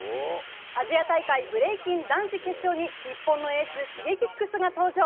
アジア大会ブレイキン男子決勝に、日本のエース、シゲキックスが登場。